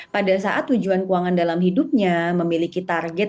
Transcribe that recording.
pada saat tujuan keuangan dalam hidupnya memiliki target